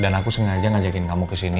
dan aku sengaja ngajakin kamu ke sini